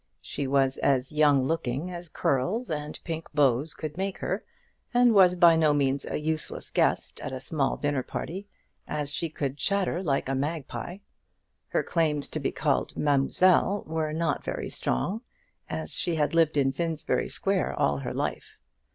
She was as young looking as curls and pink bows could make her, and was by no means a useless guest at a small dinner party, as she could chatter like a magpie. Her claims to be called "Mademoiselle" were not very strong, as she had lived in Finsbury Square all her life.